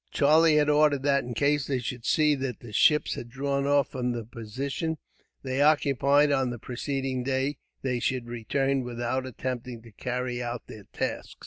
Charlie had ordered that, in case they should see that the ships had drawn off from the position they occupied on the preceding day, they should return without attempting to carry out their task.